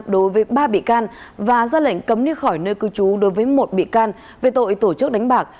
đối với ba bị can và ra lệnh cấm đi khỏi nơi cư trú đối với một bị can về tội tổ chức đánh bạc